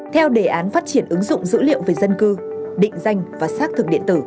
theo đề án phát triển ứng dụng dữ liệu về dân cư định danh và xác thực điện tử